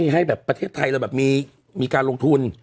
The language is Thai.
ให้ประเทศไทยมีการลงทุน